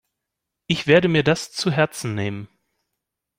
Ich werde mir das zu Herzen nehmen.